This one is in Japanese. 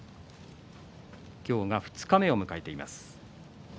今日が二日目を迎えています。